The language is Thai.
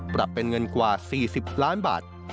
ปรับเป็นเงินกว่า๔๐ล้านบาท